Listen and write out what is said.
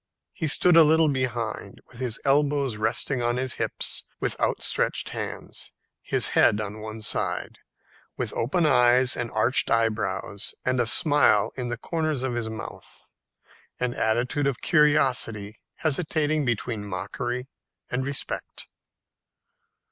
He stood a little behind, with elbows resting on his hips, with outstretched hands, the head on one side, with open eyes and arched eyebrows, and a smile in the corners of his mouth an attitude of curiosity hesitating between mockery and respect.